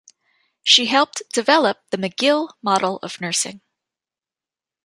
She helped develop the McGill Model of Nursing.